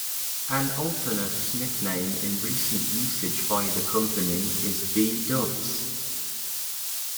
An alternate nickname in recent usage by the company is B-Dubs.